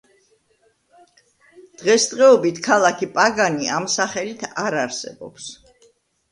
დღესდღეობით ქალაქი პაგანი, ამ სახელით არ არსებობს.